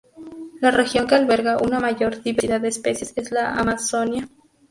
La región que alberga una mayor diversidad de especies es la Amazonía.